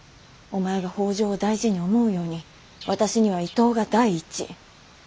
お前が北条を大事に思うように私には伊東が第一。